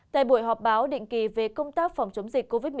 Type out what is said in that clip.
tại buổi họp báo định kỳ về công tác phòng chống dịch covid một mươi chín